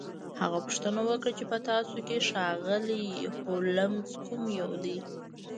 هغه پوښتنه وکړه چې په تاسو کې ښاغلی هولمز کوم یو دی